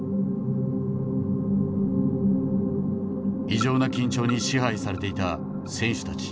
異常な緊張に支配されていた選手たち。